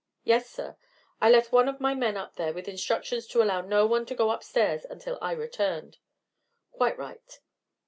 "Yes, sir; I left one of my men up there with instructions to allow no one to go upstairs until I returned." "Quite right."